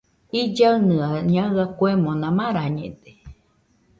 Illaɨnɨaɨ ñaɨa kuemona marañede.